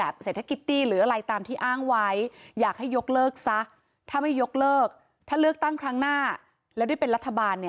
แค่นี้ขอให้นายกทำแค่นี้